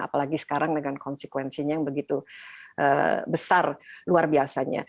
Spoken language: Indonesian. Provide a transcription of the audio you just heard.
apalagi sekarang dengan konsekuensinya yang begitu besar luar biasanya